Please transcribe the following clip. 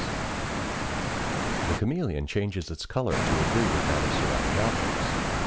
] The chameleon changes its color to agree with that of surrounding objects.